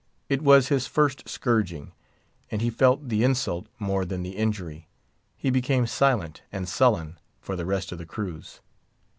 It was his first scourging, and he felt the insult more than the injury. He became silent and sullen for the rest of the cruise.